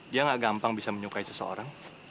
dia gak gampang bisa menyukai seseorang